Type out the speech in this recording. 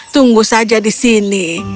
tunggu saja di sini